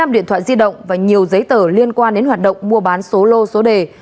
một mươi điện thoại di động và nhiều giấy tờ liên quan đến hoạt động mua bán số lô số đề